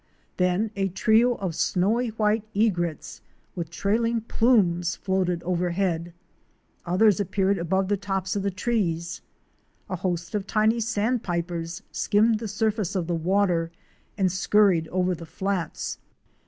Then a trio of snowy white Egrets" with trailing plumes floated overhead; others appeared above the tops of the trees; a host of tiny Sandpipers skimmed the surface of the water and scurried over the flats.